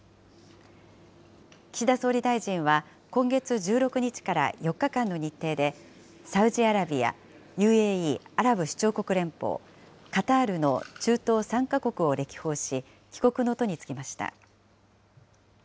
岸田総理大臣は、今月１６日から４日間の日程で、サウジアラビア、ＵＡＥ・アラブ首長国連邦、カタールの中東３か国を歴訪し、帰国の途に就きました。